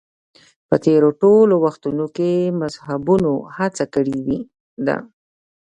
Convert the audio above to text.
په تېرو ټولو وختونو کې مذهبیونو هڅه کړې ده